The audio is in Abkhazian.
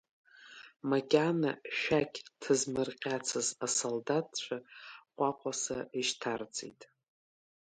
Макьана шәақь ҭызмырҟьацыз асалдаҭцәа ҟәаҟәаса ишьҭарҵеит.